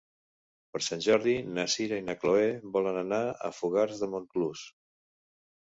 Per Sant Jordi na Sira i na Chloé volen anar a Fogars de Montclús.